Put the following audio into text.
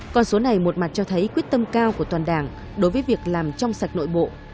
con số này một mặt cho thấy quyết tâm cao của toàn đảng đối với việc làm trong sạch nội bộ